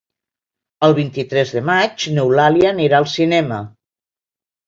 El vint-i-tres de maig n'Eulàlia anirà al cinema.